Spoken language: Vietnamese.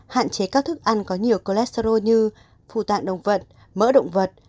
hạn chế các thức ăn có nhiều cholesterol như phủ tạng động vật mỡ động vật